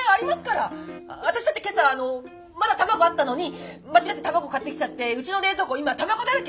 私だって今朝あのまだ卵あったのに間違って卵買ってきちゃってうちの冷蔵庫今卵だらけ。